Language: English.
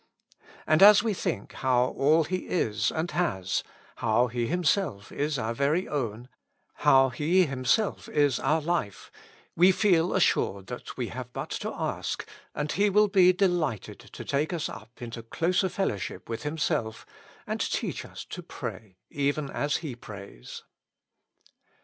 And as we think how all He is and has, how He Himself is our very own, how He is Himself our life, we feel assured that we have but to ask, and He will be delighted to take us up into closer fellow ship with Himself, and teach us to pray even as He prays.